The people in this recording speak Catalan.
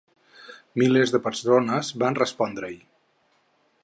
Milers de persones van respondre-hi.